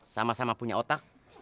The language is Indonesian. sama sama punya otak